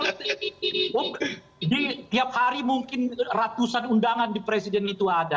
ini tiap hari mungkin ratusan undangan di presiden itu ada